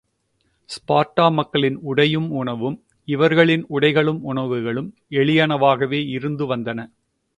Sparta மக்களின் உடையும் உணவும் இவர்களின் உடைகளும் உணவுகளும் எளியனவாகவே இருந்து வந்தன.